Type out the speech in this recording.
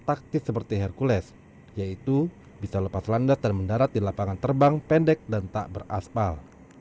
taktis seperti hercules yaitu bisa lepas landas dan mendarat di lapangan terbang pendek dan tak beraspal